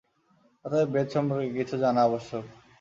অতএব বেদ সম্বন্ধে কিছু জানা আবশ্যক।